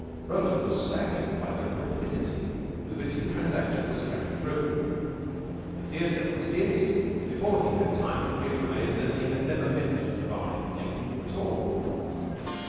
Roland was staggered by the rapidity with which the transaction was carried through. The theater was his before he had time to realize that he had never meant to buy the thing at all.